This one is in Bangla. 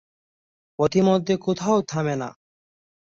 পথিমধ্যে কোথাও থামে না।